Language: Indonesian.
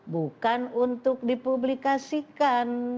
bukan untuk dipublikasikan